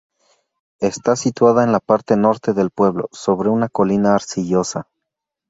Está situada en la parte norte del pueblo sobre una colina arcillosa.